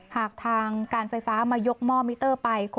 หากทางการไฟฟ้ามายกหม้อมิเตอร์ไป